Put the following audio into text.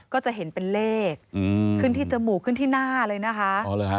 ก็จะเห็นเป็นเลขอืมขึ้นที่จมูกขึ้นที่หน้าเลยนะคะอ๋อเหรอฮะ